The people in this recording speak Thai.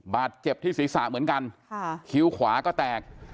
บาดเจ็บที่ศีรษะเหมือนกันคิ้วขวาก็แตก